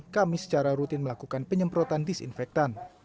kami secara rutin melakukan penyemprotan disinfektan